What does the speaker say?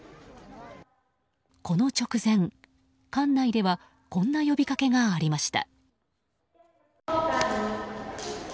この直前、館内ではこんな呼びかけがありました。